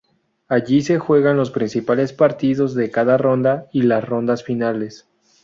Allí se juegan los principales partidos de cada ronda y las rondas finales.